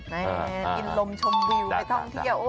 กินลมชมวิวไปท่องเที่ยว